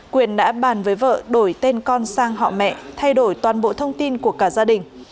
quyền đã bàn với vợ đổi tên con sang họ mẹ thay đổi toàn bộ thông tin của cả gia đình